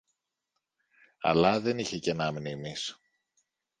αλλά δεν είχε κενά μνήμης